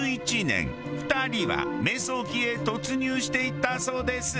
２人は迷走期へ突入していったそうです。